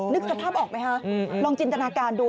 นึกสภาพออกไหมคะลองจินตนาการดู